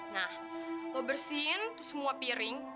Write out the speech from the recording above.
nah lo bersihin tuh semua piring